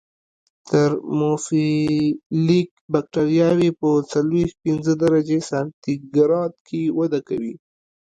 ترموفیلیک بکټریاوې په څلویښت پنځه درجې سانتي ګراد کې وده کوي.